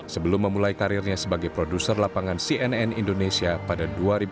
sebelum memulai karirnya sebagai produser lapangan cnn indonesia pada dua ribu dua puluh